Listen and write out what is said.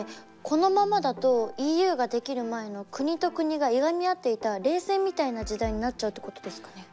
このままだとＥＵが出来る前の国と国がいがみ合っていた冷戦みたいな時代になっちゃうってことですかね？